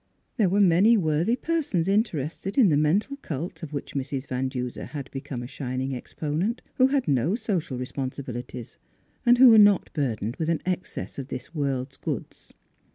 There were many worthy per sons interested in the mental cult, of which Mrs. Van Duser had become a shin ing exponent, who had no social responsi bilities and who were not burdened with an excess of this world's goods.